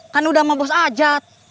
kan udah sama bos ajad